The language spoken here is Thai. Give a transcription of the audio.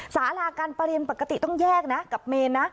สาราการเปลี่ยนปกติต้องแยกกับเมน